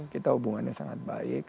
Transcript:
kita hubungannya sangat baik